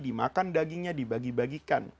dimakan dagingnya dibagi bagikan